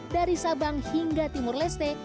dari sabang hingga timur leste